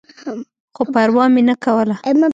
خو پروا مې نه کوله.